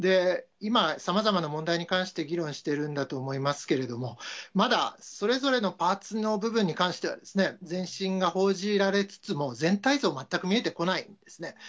今、さまざまな問題に関して議論しているんだと思いますけれども、まだ、それぞれのパーツの部分に関しては、前進が報じられつつも、全体像が全く見えてこないんですね。